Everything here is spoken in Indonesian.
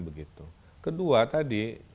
begitu kedua tadi